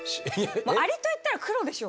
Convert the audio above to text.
アリといったら黒でしょ。